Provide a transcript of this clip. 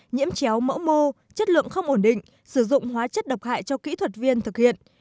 nhiễm chéo mẫu mô chất lượng không ổn định sử dụng hóa chất độc hại cho kỹ thuật viên thực hiện